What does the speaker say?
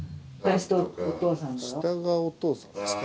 下がお父さんですか？